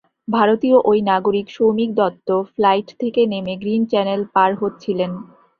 ভারতীয় ওই নাগরিক সৌমিক দত্ত ফ্লাইট থেকে নেমে গ্রিন চ্যানেল পার হচ্ছিলেন।